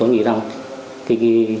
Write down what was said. tôi nghĩ rằng